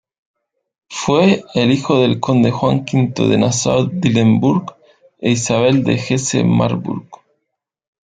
Fue el hijo del Conde Juan V de Nassau-Dillenburg e Isabel de Hesse-Marburg.